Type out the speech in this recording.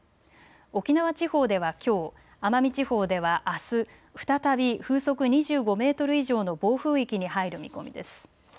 沖縄地方ではきょう、奄美地方ではあす再び風速２５メートル以上の暴風域に入る見込みです。